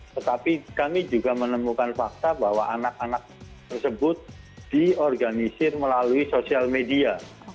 tetapi kami juga menemukan fakta bahwa anak anak tersebut diorganisir melalui sosial media